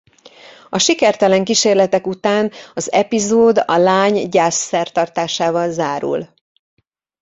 A sikertelen kísérletek után az epizód a lány gyászszertartásával zárul.